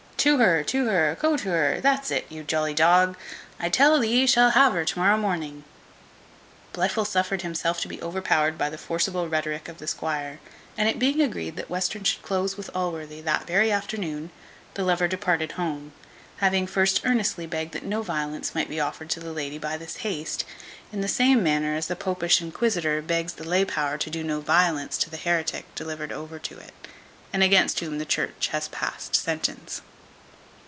To her, to her, co to her, that's it, you jolly dog. I tell thee shat ha' her to morrow morning." Blifil suffered himself to be overpowered by the forcible rhetoric of the squire; and it being agreed that Western should close with Allworthy that very afternoon, the lover departed home, having first earnestly begged that no violence might be offered to the lady by this haste, in the same manner as a popish inquisitor begs the lay power to do no violence to the heretic delivered over to it, and against whom the church hath passed sentence.